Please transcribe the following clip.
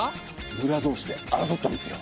ムラ同士で争ったんですよ。